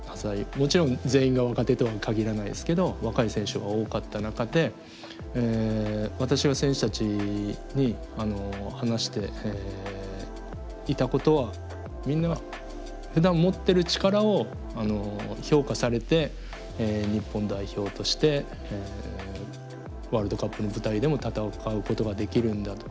もちろん全員が若手とは限らないですけど若い選手が多かった中で私は選手たちに話していたことはみんなふだん持ってる力を評価されて日本代表としてワールドカップの舞台でも戦うことができるんだと。